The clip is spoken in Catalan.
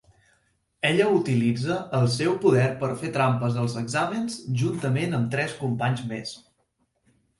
Ella utilitza el seu poder per fer trampes als exàmens juntament amb tres companys més.